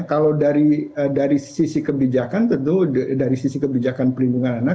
kalau dari sisi kebijakan tentu dari sisi kebijakan pelindungan anak